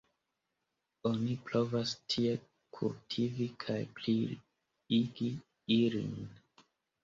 Oni provas tie kultivi kaj pliigi ilin.